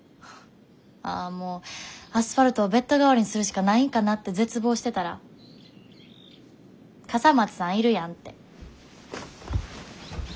ああもうアスファルトをベッド代わりにするしかないんかなって絶望してたら笠松さんいるやんって。